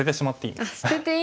はい。